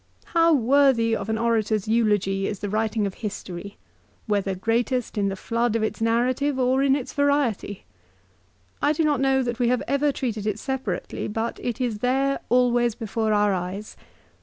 " How worthy of an orator's eulogy is the writing of history, whether greatest in the flood of its narrative or in its variety. I do not know that we have ever treated it separately, but it is there always before our eyes.